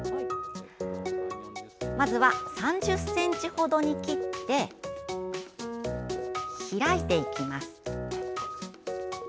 まずは、３０ｃｍほどに切って開いていきます。